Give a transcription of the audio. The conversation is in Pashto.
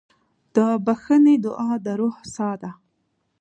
د بښنې دعا د روح ساه ده.